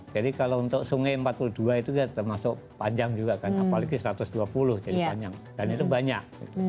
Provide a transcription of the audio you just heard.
jadi kalau untuk sungai empat puluh dua itu termasuk panjang juga kan apalagi satu ratus dua puluh jadi panjang dan itu banyak